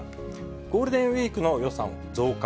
ゴールデンウィークの予算増加。